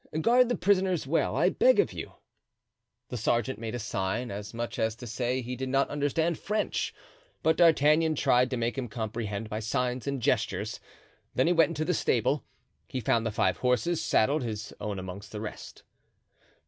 Guard the prisoners well, I beg of you." The sergeant made a sign, as much as to say he did not understand French, and D'Artagnan tried to make him comprehend by signs and gestures. Then he went into the stable; he found the five horses saddled, his own amongst the rest.